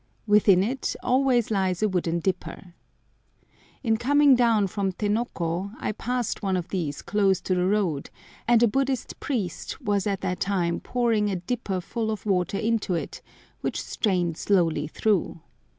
Within it always lies a wooden dipper. In coming down from Tenoko I passed one of these close to the road, and a Buddhist priest was at the time pouring a dipper full of water into it, which strained slowly through.